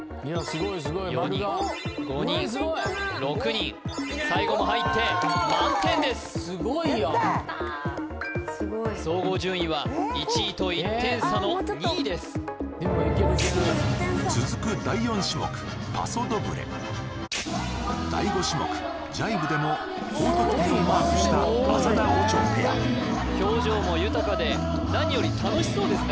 ４人５人６人最後も入って満点です総合順位は１位と１点差の２位です続く第４種目パソドブレ第５種目ジャイブでも高得点をマークした浅田・オチョペア表情も豊かで何より楽しそうですね